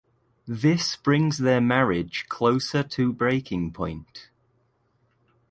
This brings their marriage closer to breaking point.